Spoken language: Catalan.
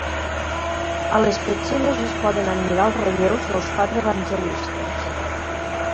A les petxines es poden admirar els relleus dels quatre evangelistes.